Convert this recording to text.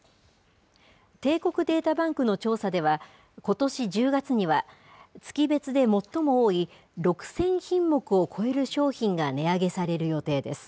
帝国データバンクの調査では、ことし１０月には、月別で最も多い６０００品目を超える商品が値上げされる予定です。